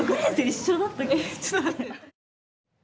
えっちょっと待って。